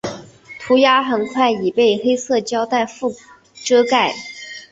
涂鸦很快已被黑色胶袋遮盖。